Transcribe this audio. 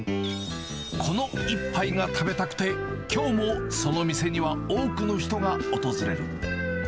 この一杯が食べたくて、きょうもその店には多くの人が訪れる。